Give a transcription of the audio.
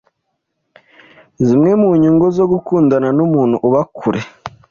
zimwe mu nyungu zo gukundana n’umuntu uba kure